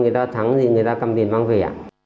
người ta thắng gì người ta cầm tiền mang về ạ